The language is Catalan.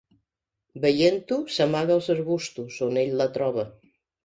Veient-ho, s'amaga als arbustos, on ell la troba.